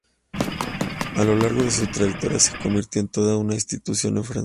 A lo largo de su trayectoria se convirtió en toda una institución en Francia.